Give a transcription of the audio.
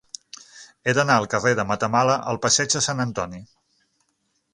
He d'anar del carrer de Matamala al passeig de Sant Antoni.